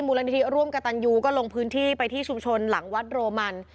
มูลนิธิร่วมกับตันยูก็ลงพื้นที่ไปที่ชุมชนหลังวัดโรมัน